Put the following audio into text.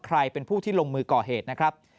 ใครเป็นผู้ที่ลงมือก่อเหตุนะครับ